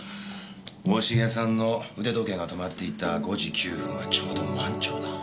大重さんの腕時計が止まっていた５時９分はちょうど満潮だ。